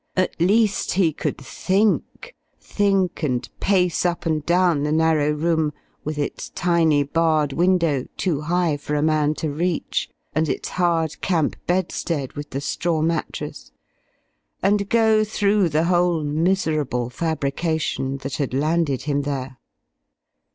At least he could think think and pace up and down the narrow room with its tiny barred window too high for a man to reach, and its hard camp bedstead with the straw mattress, and go through the whole miserable fabrication that had landed him there.